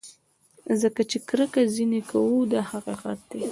ځکه چې کرکه ځینې کوو دا حقیقت دی.